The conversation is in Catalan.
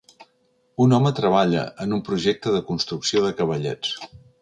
Un home treballa en un projecte de construcció de cavallets.